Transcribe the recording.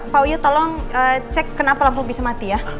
pak uyu tolong cek kenapa lampu bisa mati ya